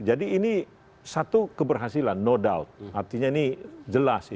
jadi ini satu keberhasilan nodal artinya ini jelas sih